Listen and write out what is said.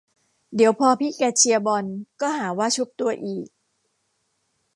เดี๋ยวพอพี่แกเชียร์บอลก็หาว่าชุบตัวอีก